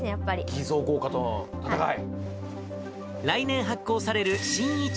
偽造硬貨との戦い？